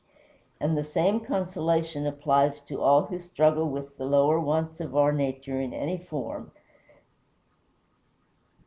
And the same consolation applies to all who struggle with the lower wants of our nature in any form.